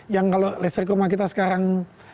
yang kalau listrik rumah kita sekarang